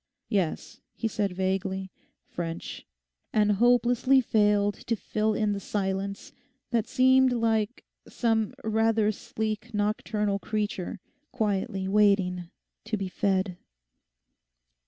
'Yes,' he said vaguely, 'French,' and hopelessly failed to fill in the silence that seemed like some rather sleek nocturnal creature quietly waiting to be fed.